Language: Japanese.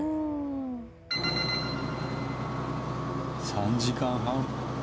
３時間半。